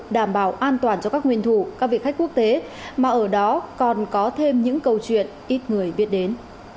đảm bảo an toàn cho các nguyên thủ các vị khách quốc tế mà ở đó còn có thêm những câu chuyện ít người biết đến